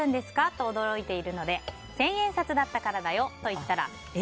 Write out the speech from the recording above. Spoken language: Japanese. と驚いているので千円札だったからだよと言ったらえ？